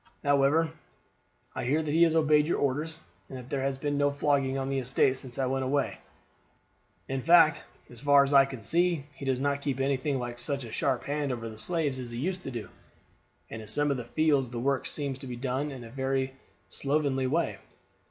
"However, I hear that he has obeyed your orders, and that there has been no flogging on the estate since I went away. In fact, as far as I can see, he does not keep anything like such a sharp hand over the slaves as he used to do; and in some of the fields the work seems to be done in a very slovenly way.